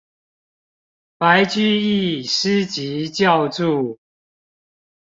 白居易诗集校注